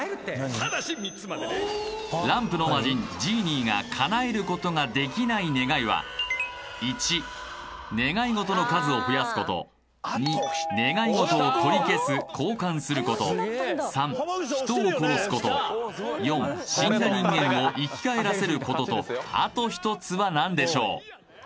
ただし３つまでねランプの魔人ジーニーが叶えることができない願いは１願い事の数を増やすこと２願い事を取り消す・交換すること３人を殺すこと４死んだ人間を生き返らせることとあと１つは何でしょう？